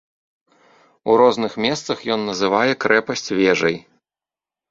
У розных месцах ён называе крэпасць вежай.